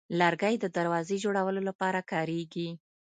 لرګی د دروازې جوړولو لپاره کارېږي.